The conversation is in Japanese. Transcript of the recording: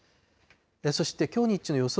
そしてきょう日中の予想